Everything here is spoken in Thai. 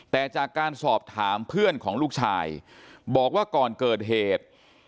แต่จากการสอบถามเพื่อนของลูกชายบอกว่าก่อนเกิดเหตุ